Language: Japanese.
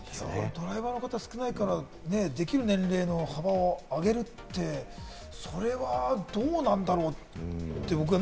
ドライバー少ないから、できる年齢の幅を広げるって、それはどうなんだろう？って。